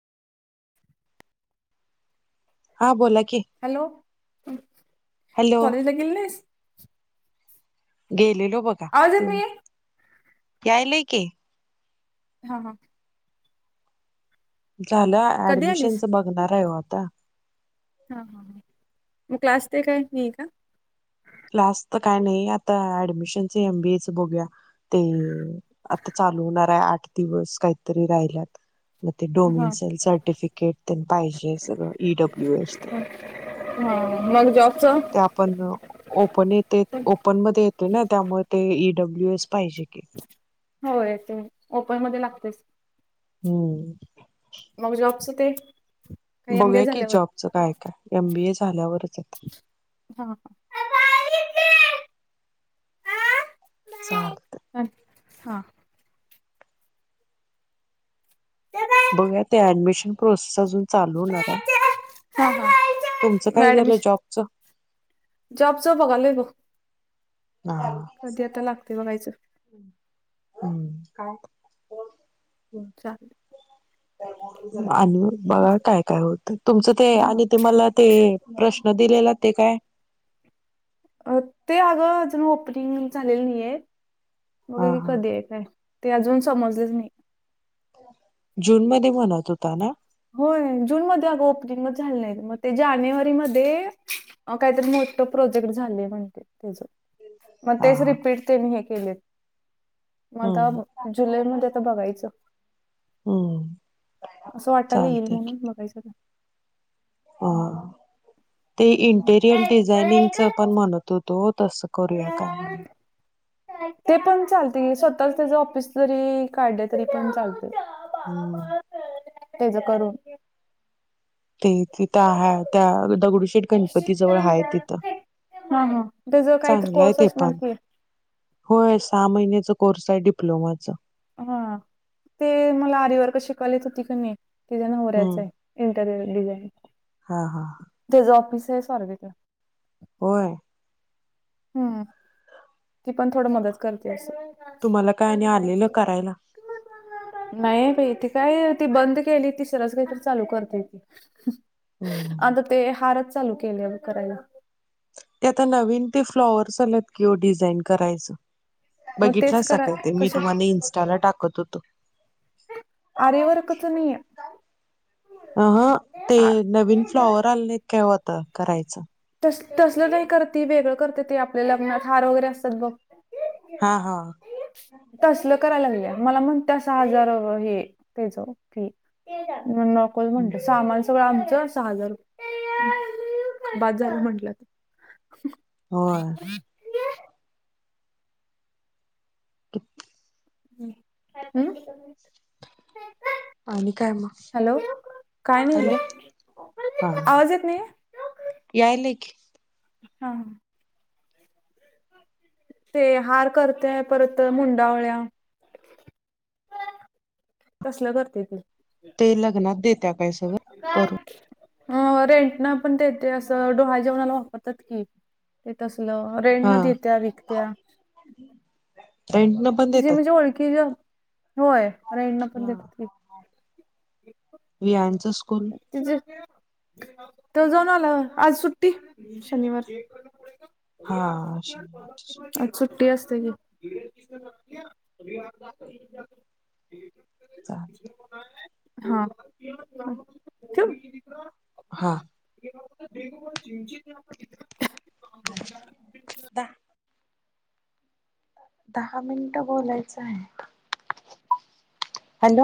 हा बोला की. हॅलो हॅलो कॉलेजला गेली नाहीस? गेले लो. आवाज येत नाहीयं? यायला की. हा हा. झालं कधी आलीस ऍडमिशनच बघणार हाय ओ आता. हा ह मग क्लास ते काय नाही का? लास्ट तर काय नाही आता ऍडमिशनच एमबीएच बघूया. ते आता चालू होणार हाय. आठ दिवस काहीतरी राहिल्यात. मग ते हा डोमिन सल सर्टिफिकेट पाहिजे सगळं ईडब्ल्यू एच तेन. हा. मग जॉ - - ते आपण ओपन येते ओपन मध्ये येतोय ना त्यामुळे ते ईडब्ल्यू एस. पाहिजे की होय ते ओपन मध्ये लागतेच. हम्म. मग जॉबच ते - - बघूया की जॉबच काय काय एमबी ए झाल्यावरच. आता हा. चालतयं. हा. बघया ते ऍडमिशन प्रोसेस अजून चालू हुणार हाय. हा मॅडम जॉबच जॉब च बघलोय बघ हा कधी आता लागते बघायचं हम्म काय हो चाललेल आणि बघा काय काय होत तुमचं ते हा आणि ते मला ते प्रश्न नदीलेला ते काय अ ते अगं अजून ओपनिंग झालेलं नाही आहे हा बघूया की हा कधी आहे काय ते अजून समजलेच नाही जून मध्ये म्हणत होता ना हो जून मध्ये अगं ओपनिंग म झाल नाही मग ते जानेवारी मधे काहीतरी प्रोजेक्ट झालय मग हा तेच हा रिपीटनी हे के मग आता हम्म जुलै मध्ये आता बघायचं हम्म असं वाटत टला येईल चालते की म्हणून बघायचं हा ते इंटेरियर डिझाइनिंग च पण म्हणत होतो तसं करूया काय म्हणून ते पण चालते स्वतःच त्याच ऑफिस जरी काढलं तरी पण चाल हम्म तेच करून ते तिथं आहे त्या दगडूशेठ गणपती जवळ आहे तिथं हा हा त्याचं काहीतरी चांगलंय कोर्स ते असणार पण की होय सहा महिन्याच कोर्स आहे डिप्लोमाचा हा ते मला आरीवर का शिकवलेत होती क नाही ति ज नवऱ्याच हम्म आहे डिझाईन हा हा हा ते स्वारगेट आहे होय हम्म ती पण थोड मदत करते असं तुम्हाला काय आणि आलेलं करायला नाही ग इथ काय ती बंद केली ती सरस काहीतरी चालू करते ती हम्म आता ते हारच चालू केले करायला ते आता नवीन ते फ्लॉवरर्स आलेत की हो डिझाईन करायचं मग तेच बघितलाच करा सकाळ ते मी कश तुम्हाला इन्स्टाला टाकत होतो आरीवर्कच नाही अ ह ते नवीन फ्लॉवर आले नाहीत काय ओ आता करायचं तसलं नाही करते वेगळं करते ते आपल्या लग्नात हार वगैरे असतात बघ हा हा तसलं करा लागलीया मला म्हणत्या सहा हजार हे त्याचं फी मी नकोच म्हटलं हम्म. सामान सगळं आमचं सहा हजार बास झालं म्हटलं आता होय किती हम् हम् आणि काय मग काय नाही बघ हॅलो हा आवाज येत नाही? यायलय की हा ते हार करतेय परत मुंडावळ्या [inaudible] तसलं करते तू ते लग्नात देत्या काय सगळं करून अ रेंट न पण देते असं डोहाळ जेवणाला वापरतात की ते तसं हा रेटंन देत्या विकत्या रेंटनं पण तिझ्या देतात बिज्या ओळखीचं होय रेंटन पण जातात की वियांचं स्कूल तिझं तो जाऊन आला आज सुट्टी शनिवार हा आज शनिवारची सुट्टी आज सुट्टी असतेया गं चालेल हा ठिऊ हा [inaudible] दहा मिनिट बोलायचं आहे हॅलो